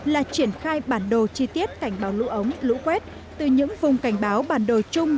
là triển khai bản đồ chi tiết cảnh báo lũ ống lũ quét từ những vùng cảnh báo bản đồ chung